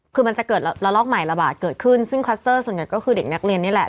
คือมันจะเกิดระลอกใหม่ระบาดเกิดขึ้นซึ่งคลัสเตอร์ส่วนใหญ่ก็คือเด็กนักเรียนนี่แหละ